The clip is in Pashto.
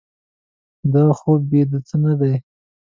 دغه خوب بې د څه نه دی.